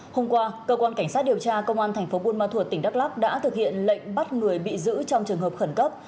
hôm qua cơ quan cảnh sát điều tra công an tp bunma thuột tỉnh đắk lắk đã thực hiện lệnh bắt người bị giữ trong trường hợp khẩn cấp